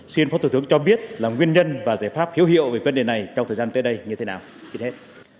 xin phó thủ tướng cho biết là nguyên nhân và giải pháp hiếu hiệu về vấn đề này trong thời gian tới đây như thế nào trên hết